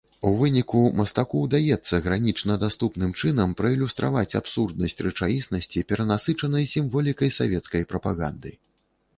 У выніку мастаку ўдаецца гранічна даступным чынам праілюстраваць абсурднасць рэчаіснасці, перанасычанай сімволікай савецкай прапаганды.